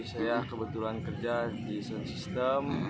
saya kebetulan kerja di sound system